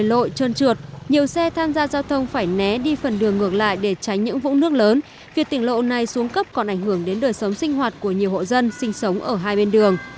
trong khi lội trơn trượt nhiều xe tham gia giao thông phải né đi phần đường ngược lại để tránh những vũng nước lớn việc tỉnh lộ này xuống cấp còn ảnh hưởng đến đời sống sinh hoạt của nhiều hộ dân sinh sống ở hai bên đường